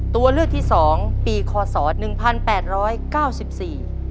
ตัวเลือกที่สองปีคอสอหนึ่งพันแปดร้อยเก้าสิบสี่